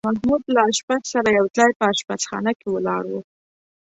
محمود له اشپز سره یو ځای په اشپزخانه کې ولاړ و.